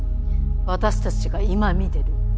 私たちが今見てる。